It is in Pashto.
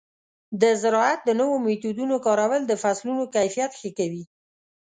د زراعت د نوو میتودونو کارول د فصلونو کیفیت ښه کوي.